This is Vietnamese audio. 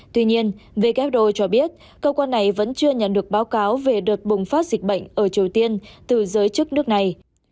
tuy nhiên who cho biết cơ quan này vẫn chưa nhận được báo cáo về đợt bùng phát dịch bệnh ở triều tiên từ giới chức nước này